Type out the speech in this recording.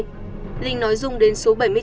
lúc này linh nói dung đến số bảy mươi chín